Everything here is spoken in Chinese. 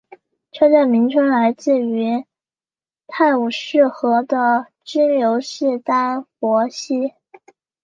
车站名称来自于泰晤士河的支流史丹佛溪。